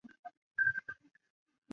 她微胖身躯渐渐行动不便